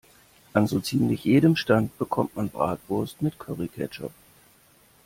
An so ziemlich jedem Stand bekommt man Bratwurst mit Curry-Ketchup.